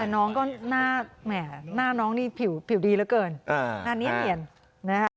แต่หน้าน้องนี่ผิวดีเหลือเกินหน้านี้เหนียน